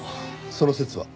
その節は。